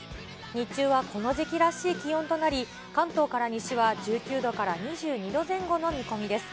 日中はこの時期らしい気温となり、関東から西は１９度から２２度前後の見込みです。